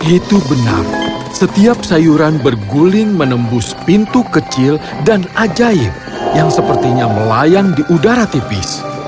itu benar setiap sayuran berguling menembus pintu kecil dan ajaib yang sepertinya melayang di udara tipis